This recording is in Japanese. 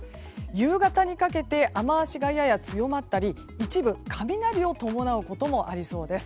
夕方にかけて雨脚がやや強まったり一部雷を伴うこともありそうです。